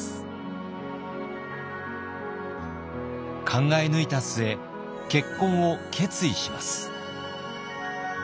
考え抜いた末結婚を決意します。